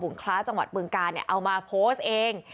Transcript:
คล้าจังหวัดบึงกาลเอามาโพสต์เอง